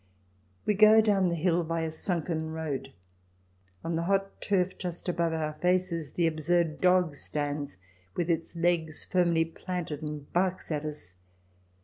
We go down the hill by a sunken road. On the hot turf just above our faces the absurd dog stands with its legs firmly planted and barks at us.